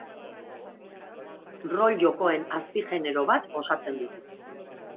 Rol-jokoen azpigenero bat osatzen dute.